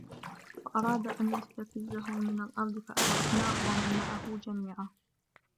فَأَرَادَ أَنْ يَسْتَفِزَّهُمْ مِنَ الْأَرْضِ فَأَغْرَقْنَاهُ وَمَنْ مَعَهُ جَمِيعًا